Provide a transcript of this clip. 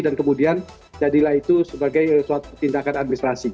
dan kemudian jadilah itu sebagai suatu tindakan administrasi